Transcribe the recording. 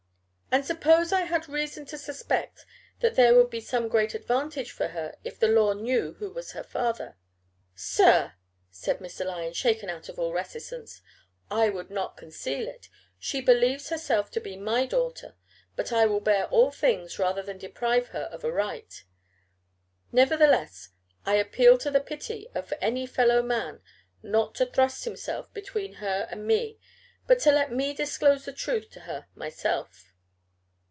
"And suppose I had reason to suspect that there would be some great advantage for her if the law knew who was her father?" "Sir!" said Mr. Lyon, shaken out of all reticence. "I would not conceal it. She believes herself to be my daughter. But I will bear all things rather than deprive her of a right. Nevertheless I appeal to the pity of any fellow man, not to thrust himself between her and me, but to let me disclose the truth to her myself."